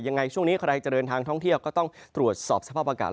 ยังไงช่วงนี้ใครจะเดินทางท่องเที่ยวก็ต้องตรวจสอบสภาพอากาศ